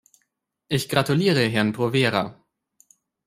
Ich gratuliere Herrn Provera.